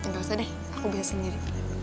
gak usah deh aku biarkan sendiri